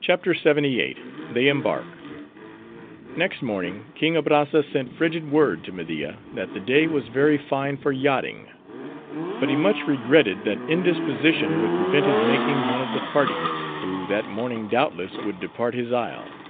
CHAPTER LXXVIII. They Embark Next morning, King Abrazza sent frigid word to Media that the day was very fine for yachting; but he much regretted that indisposition would prevent his making one of the party, who that morning doubtless would depart his isle.